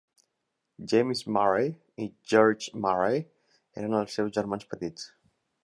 James Murray i George Murray eren els seus germans petits.